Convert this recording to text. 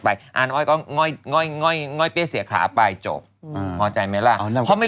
ได้ไหมนี้เกียรตัวกินไข่